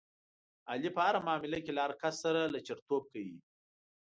علي په هره معامله کې له هر کس سره لچرتوب کوي.